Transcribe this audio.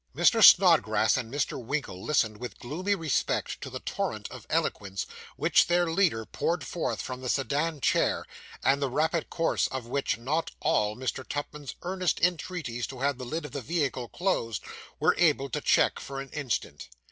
Mr. Snodgrass and Mr. Winkle listened with gloomy respect to the torrent of eloquence which their leader poured forth from the sedan chair, and the rapid course of which not all Mr. Tupman's earnest entreaties to have the lid of the vehicle closed, were able to check for an instant.